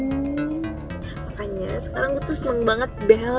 makanya sekarang gue tuh seneng banget bel